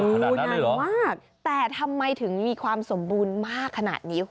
คณะนั้นหรือเหรอดูนั่นมากแต่ทำไมถึงมีความสมบูรณ์มากขนาดนี้